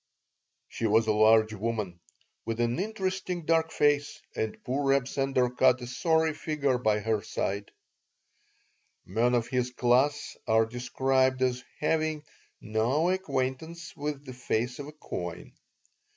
She was a large woman with an interesting dark face, and poor Reb Sender cut a sorry figure by her side Men of his class are described as having "no acquaintance with the face of a coin."